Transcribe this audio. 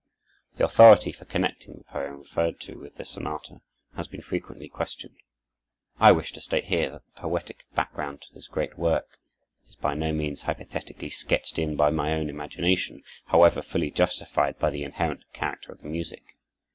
The authority for connecting the poem referred to with this sonata has been frequently questioned. I wish to state here that the poetic background to this great work is by no means hypothetically sketched in by my own imagination, however fully justified by the inherent character of the music.